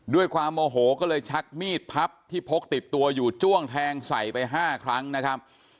ด้วยความโมโหก็เลยชักมีดพับที่พกติดตัวอยู่จ้วงแทงใส่ไป๕ครั้งนะครับ